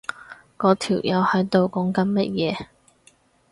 嗰條友喺度講緊乜嘢？